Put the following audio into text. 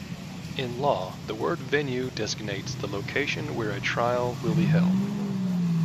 In law, the word venue designates the location where a trial will be held.